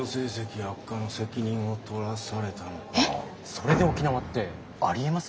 それで沖縄ってありえます？